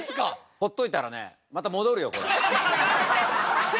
ほっといたらねまた戻るよこれ。